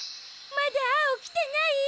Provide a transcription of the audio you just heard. まだアオきてない？